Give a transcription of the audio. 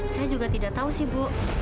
saya juga tidak tahu sih bu